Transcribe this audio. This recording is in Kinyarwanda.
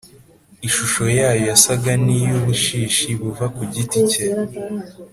ishusho yayo yasaga n iy ubushishi buva ku giti cye